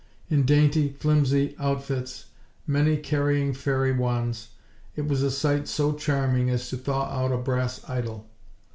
In dainty, flimsy outfits, many carrying fairy wands, it was a sight so charming as to thaw out a brass idol!